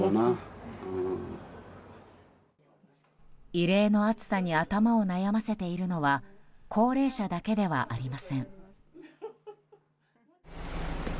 異例の暑さに頭を悩ませているのは高齢者だけではありません。